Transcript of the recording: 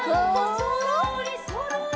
「そろーりそろり」